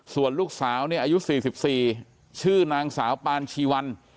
ส่วนลูกสาวเนี่ยอายุ๔๔ชื่อนางสาวปานชีวัน